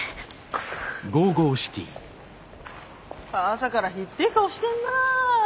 朝からひっでえ顔してんな。